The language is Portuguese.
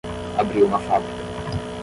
Abriu uma fábrica